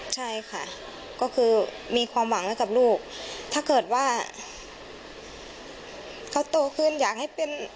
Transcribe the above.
ใช่ค่ะก็คือมีความหวังให้กับลูกถ้าเกิดว่าเขาโตขึ้นอยากให้เป็น